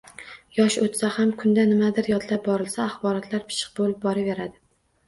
Yosh o‘tsa ham kunda nimadir yodlab borilsa, axborotlar pishiq bo‘lib boraveradi